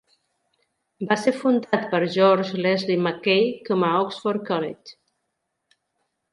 Va ser fundat per George Leslie Mackay com a Oxford College.